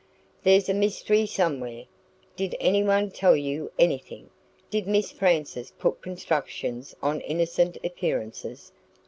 "There's a mystery somewhere. Did anybody tell you anything? Did Miss Frances put constructions on innocent appearances?